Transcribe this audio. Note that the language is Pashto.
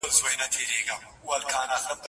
نه د سرو ملو پیمانه سته زه به چیري ځمه